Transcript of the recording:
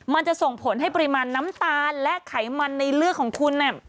มันจะส่งผลให้ปริมาณน้ำตาลและไขมันในเลือดของคุณ